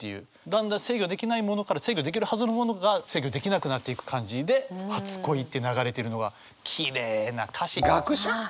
だんだん制御できないものから制御できるはずのものが制御できなくなっていく感じで「初恋」って流れてるのはきれいな歌詞。